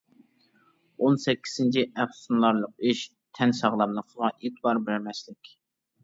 ئون سەككىزىنچى ئەپسۇسلىنارلىق ئىش، تەن ساغلاملىقىغا ئېتىبار بەرمەسلىك.